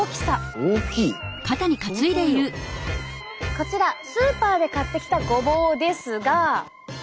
こちらスーパーで買ってきたごぼうですが。